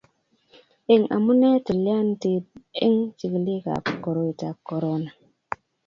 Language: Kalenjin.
Eng amune tilyandit eng chigilikab koroitab korona